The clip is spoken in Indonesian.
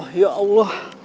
oh ya allah